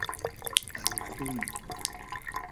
الخوم